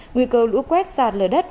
nguy cơ lũ quét sạt lờ đất